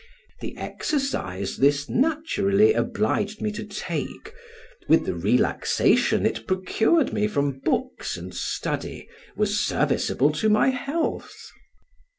The exercise this naturally obliged me to take, with the relaxation it procured me from books and study, was serviceable to my health.